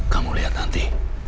kamu lihat nanti